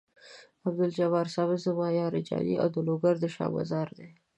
عبدالجبار ثابت زما یار جاني او د لوګر د شاه مزار دی.